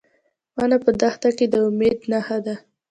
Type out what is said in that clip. ونه په دښته کې د امید نښه ده.